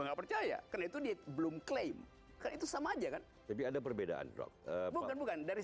nggak percaya karena itu dia belum klaim itu sama aja kan jadi ada perbedaan bukan bukan dari